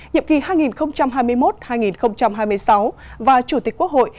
nhiệm kỳ hai nghìn hai mươi một hai nghìn hai mươi sáu và chủ tịch quốc hội